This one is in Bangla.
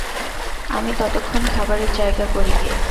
আমি ততক্ষণ খাবারের জায়গা করি গে।